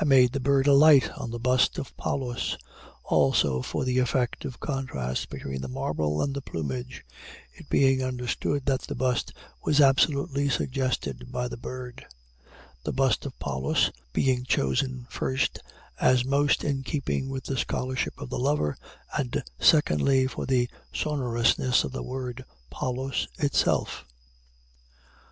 I made the bird alight on the bust of Pallas, also for the effect of contrast between the marble and the plumage it being understood that the bust was absolutely suggested by the bird the bust of Pallas being chosen, first, as most in keeping with the scholarship of the lover, and, secondly, for the sonorousness of the word, Pallas, itself.